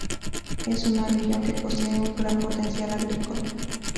Es una región que posee un gran potencial agrícola.